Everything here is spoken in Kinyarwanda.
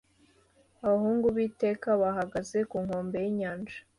abahungu biteka bahagaze Ku nkombe yinyanja